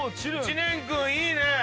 知念君いいね。